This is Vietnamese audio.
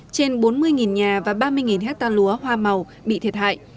trên bốn mươi nhà và ba mươi hectare lúa hoa màu bị thiệt hại